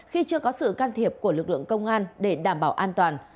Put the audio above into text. khi chưa có sự can thiệp của lực lượng công an để đảm bảo an toàn